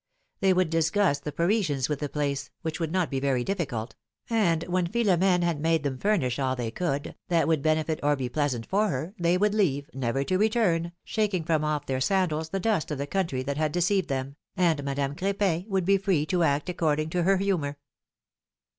They would disgust the Parisians with the place, which would not be very difficult; and when Philom^ne had made them furnish all they could, that would benefit or be pleasant for her, they would leave, never to return, shaking from off their sandals the dust of the country that had deceived them, and Madame Cr^pin would be free to act according to her humor.